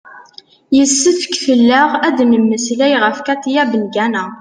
yessefk fell-aɣ ad d-nemmeslay ɣef katia bengana